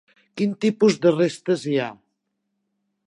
Quin tipus de restes hi ha?